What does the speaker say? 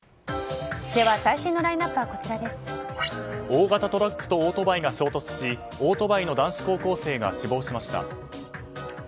大型トラックとオートバイが衝突しオートバイの男子高校生が死亡しました。